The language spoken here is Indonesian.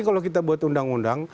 kalau kita buat undang undang